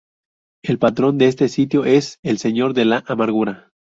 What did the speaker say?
El patrón de este sitio es el "Señor de la Amargura".